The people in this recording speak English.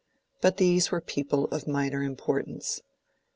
But these were people of minor importance.